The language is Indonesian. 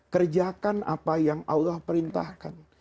kerjakan apa yang allah perintahkan